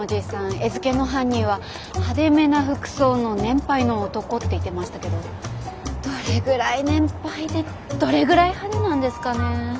餌付けの犯人は派手めな服装の年配の男って言ってましたけどどれぐらい年配でどれぐらい派手なんですかねえ。